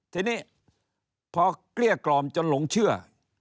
ทีนี้พอเกลี้ยกล่อมจนหลงเชื่อ